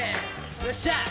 よっしゃ！